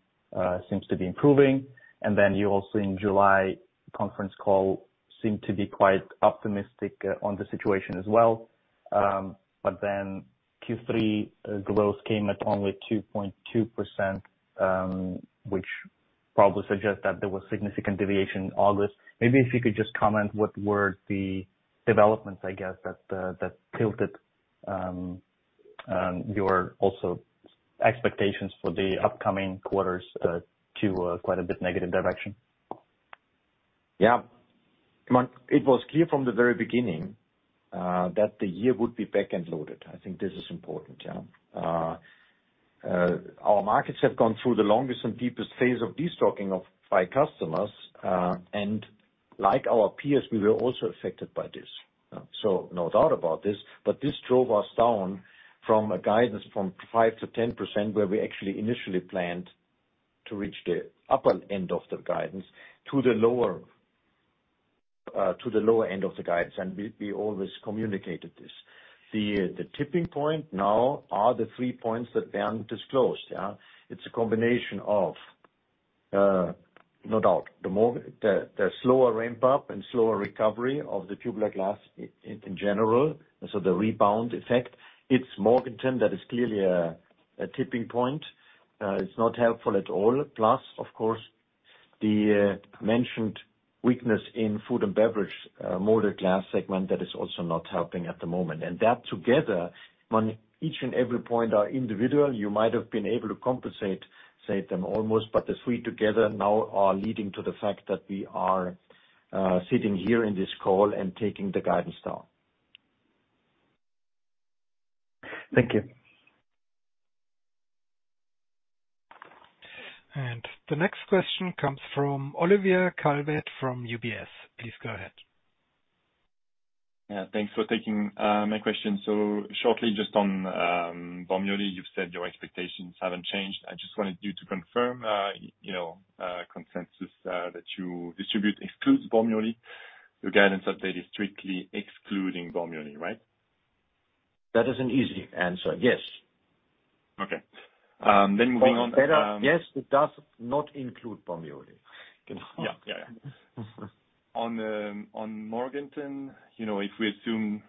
seems to be improving. And then you also, in July conference call, seemed to be quite optimistic on the situation as well. But then Q3 growth came at only 2.2%, which probably suggests that there was significant deviation in August. Maybe if you could just comment, what were the developments, I guess, that tilted your also expectations for the upcoming quarters to quite a bit negative direction? Yeah. It was clear from the very beginning that the year would be back and loaded. I think this is important, yeah. Our markets have gone through the longest and deepest phase of destocking by customers, and like our peers, we were also affected by this. So no doubt about this, but this drove us down from a guidance of 5%-10%, where we actually initially planned to reach the upper end of the guidance, to the lower end of the guidance, and we always communicated this. The tipping point now are the three points that Bernd disclosed, yeah? It's a combination of, no doubt, the more... The slower ramp up and slower recovery of the tubular glass in general, so the rebound effect. It's Morganton that is clearly a tipping point. It's not helpful at all. Plus, of course, the mentioned weakness in food and beverage, molded glass segment, that is also not helping at the moment. And that together, when each and every point are individual, you might have been able to compensate, save them almost, but the three together now are leading to the fact that we are sitting here in this call and taking the guidance down. Thank you. The next question comes from Olivier Calvet from UBS. Please go ahead. Yeah, thanks for taking my question. So shortly, just on Bormioli, you've said your expectations haven't changed. I just wanted you to confirm, you know, consensus that you distribute excludes Bormioli. Your guidance update is strictly excluding Bormioli, right? That is an easy answer: Yes. Okay, then moving on. Or better, yes, it does not include Bormioli. Yeah. Yeah, yeah. On Morganton, you know, if we assume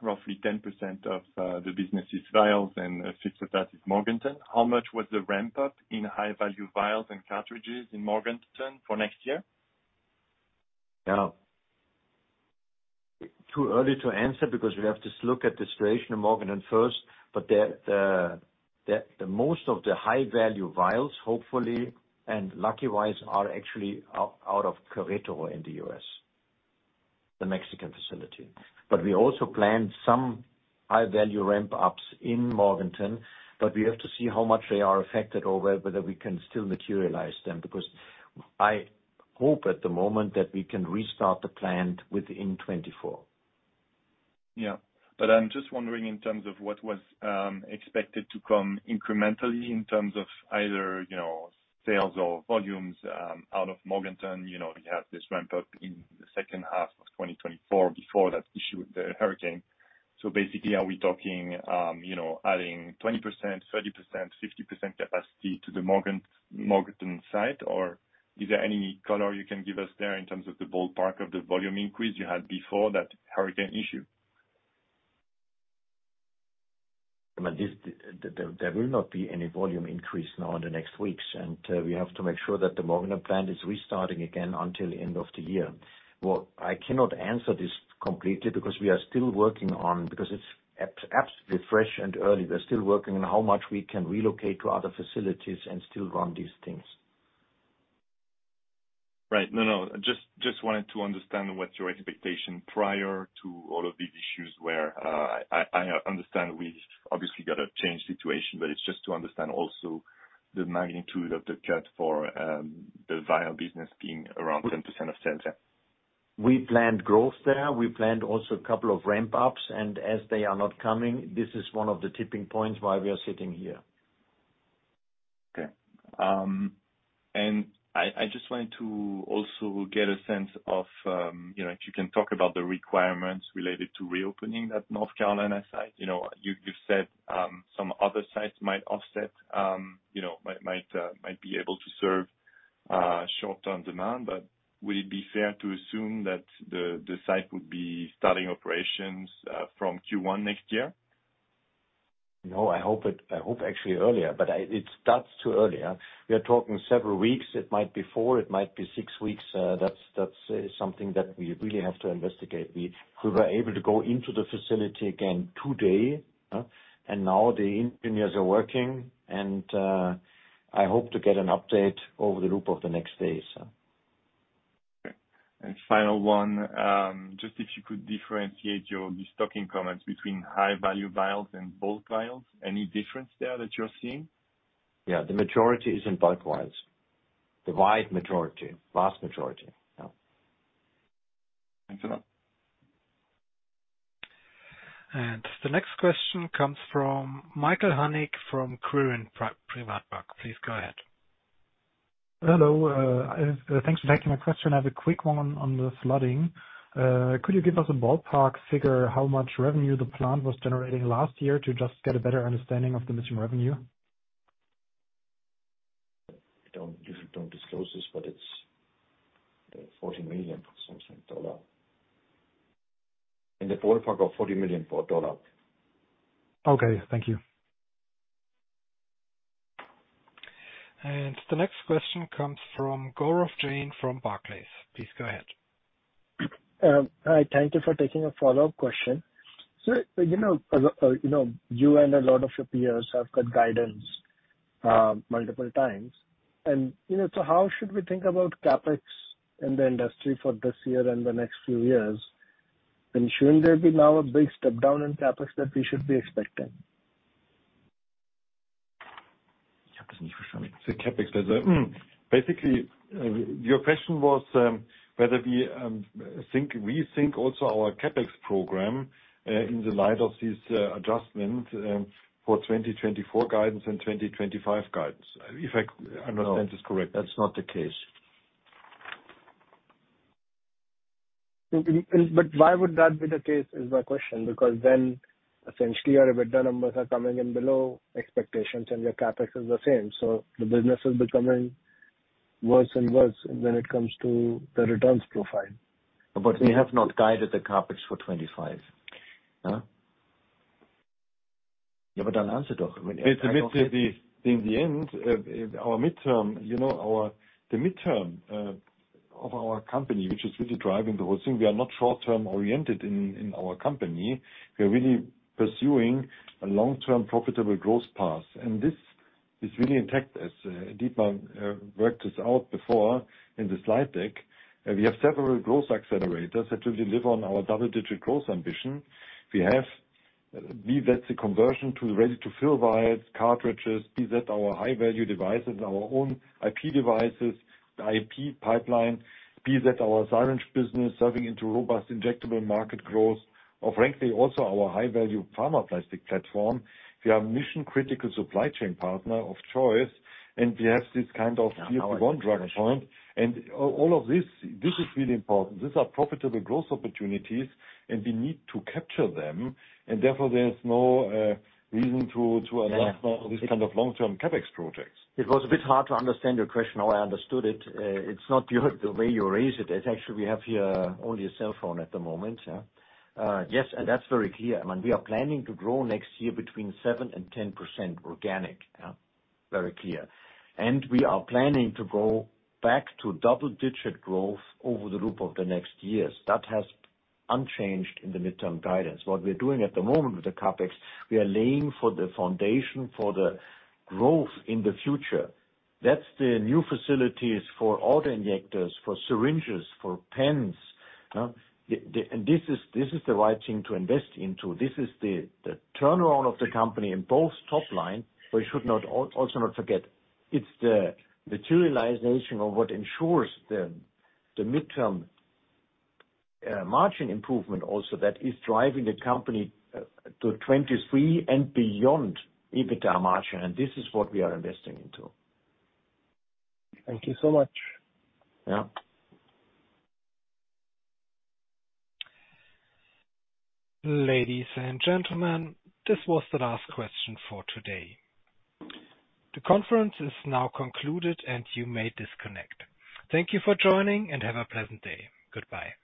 roughly 10% of the business is vials and a fixed percentage is Morganton, how much was the ramp up in high-value vials and cartridges in Morganton for next year? Now, too early to answer because we have to look at the situation in Morganton first, but most of the high-value vials, hopefully and lucky-wise, are actually out of Querétaro, the Mexican facility. But we also planned some high-value ramp ups in Morganton, but we have to see how much they are affected or whether we can still materialize them, because I hope at the moment that we can restart the plant within 24. Yeah, but I'm just wondering in terms of what was expected to come incrementally in terms of either, you know, sales or volumes, out of Morganton. You know, you have this ramp up in the second half of twenty twenty-four before that issue with the hurricane. So basically, are we talking, you know, adding 20%, 30%, 50% capacity to the Morganton site? Or is there any color you can give us there in terms of the ballpark of the volume increase you had before that hurricane issue? I mean, there will not be any volume increase now in the next weeks, and we have to make sure that the Morganton plant is restarting again until end of the year. Well, I cannot answer this completely because it's absolutely fresh and early. We're still working on how much we can relocate to other facilities and still run these things. Right. No, no, just wanted to understand what's your expectation prior to all of these issues where I understand we've obviously got a changed situation. But it's just to understand also the magnitude of the cut for the vial business being around 10% of sales, yeah. We planned growth there. We planned also a couple of ramp ups, and as they are not coming, this is one of the tipping points why we are sitting here. Okay, and I just wanted to also get a sense of, you know, if you can talk about the requirements related to reopening that North Carolina site. You know, you said some other sites might offset, you know, might be able to serve short-term demand. But would it be fair to assume that the site would be starting operations from Q1 next year? No, I hope it. I hope actually earlier, but it starts too early. We are talking several weeks. It might be four, it might be six weeks. That's something that we really have to investigate. We were able to go into the facility again today, and now the engineers are working, and I hope to get an update over the next few days. Okay. And final one, just if you could differentiate your restocking comments between high-value vials and bulk vials. Any difference there that you're seeing? Yeah, the majority is in bulk vials. The wide majority, vast majority, yeah. Thanks for that. The next question comes from Michael Hannig from Pareto Securities. Please go ahead. Hello, thanks for taking my question. I have a quick one on the flooding. Could you give us a ballpark figure, how much revenue the plant was generating last year to just get a better understanding of the missing revenue? We don't usually disclose this, but it's $40 million or something dollars. In the ballpark of $40 million dollars. Okay, thank you. The next question comes from Gaurav Jain from Barclays. Please go ahead. Hi. Thank you for taking a follow-up question. So, you know, you know, you and a lot of your peers have cut guidance, multiple times, and, you know, so how should we think about CapEx in the industry for this year and the next few years? And shouldn't there be now a big step down in CapEx that we should be expecting? The CapEx, basically, your question was whether we think also our CapEx program in the light of these adjustments for 2024 guidance and 2025 guidance, if I understand this correctly. No, that's not the case. But why would that be the case? Is my question, because then essentially, your EBITDA numbers are coming in below expectations, and your CapEx is the same, so the business is becoming worse and worse when it comes to the returns profile. But we have not guided the CapEx for twenty-five, huh? Yeah, but then answer it though. I mean, it's a bit. In the end, our midterm, you know, our the midterm of our company, which is really driving the whole thing, we are not short-term oriented in our company. We are really pursuing a long-term profitable growth path, and this is really intact. As Dietmar worked this out before in the slide deck, we have several growth accelerators that will deliver on our double-digit growth ambition. We have, be that the conversion to ready-to-fill vials, cartridges, be that our high-value devices, our own IP devices, the IP pipeline, be that our syringe business serving into robust injectable market growth, or frankly, also our high-value pharma plastic platform. We are a mission-critical supply chain partner of choice, and we have this kind of one drug point. And all, all of this, this is really important. These are profitable growth opportunities, and we need to capture them, and therefore, there's no reason to announce- Yeah... this kind of long-term CapEx projects. It was a bit hard to understand your question, how I understood it. It's not the way you raise it. It's actually, we have here only a cell phone at the moment, yeah. Yes, and that's very clear. I mean, we are planning to grow next year between 7% and 10% organic, yeah, very clear. And we are planning to go back to double-digit growth over the loop of the next years. That has unchanged in the midterm guidance. What we're doing at the moment with the CapEx, we are laying for the foundation for the growth in the future. That's the new facilities for auto injectors, for syringes, for pens. And this is the right thing to invest into. This is the turnaround of the company in both top line. But we should not, also not forget, it's the materialization of what ensures the midterm margin improvement also, that is driving the company to 2023 and beyond EBITDA margin, and this is what we are investing into. Thank you so much. Yeah. Ladies and gentlemen, this was the last question for today. The conference is now concluded, and you may disconnect. Thank you for joining, and have a pleasant day. Goodbye.